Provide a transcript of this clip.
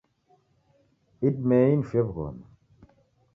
Idimei nifuye w'ughoma